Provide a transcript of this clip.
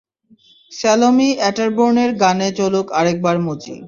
স্যালোমি অট্যারবোর্নের গানে চলুন আরেকবার মজি!